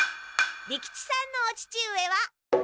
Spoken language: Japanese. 利吉さんのお父上は。